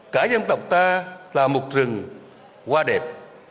cả dân tộc ta là một rừng hoa đẹp